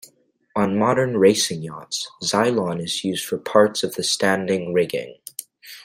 On modern racing yachts Zylon is used for parts of the standing rigging.